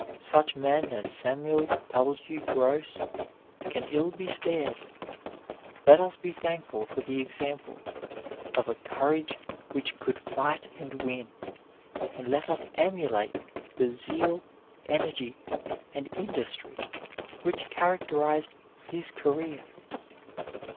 Such men as Samuel W. Gross can ill be spared. Let us be thankful for the example of a courage which could fight and win ; and let us emulate the zeal, energy, and industry which characteruEed his career.